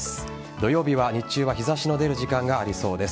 土曜日は日中は日差しの出る時間がありそうです。